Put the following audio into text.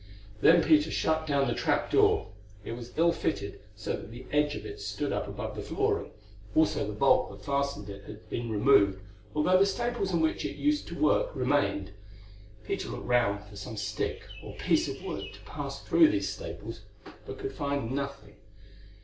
Then Peter shut down the trap door. It was ill fitted, so that the edge of it stood up above the flooring, also the bolt that fastened it had been removed, although the staples in which it used to work remained. Peter looked round for some stick or piece of wood to pass through these staples, but could find nothing.